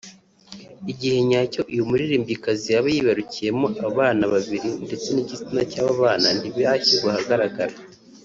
Igihe cya nyacyo uyu muririmbyikazi yaba yibarukiyeho abana babiri ndetse n’igitsina cy’abo bana ntibirashyirwa ahagaragara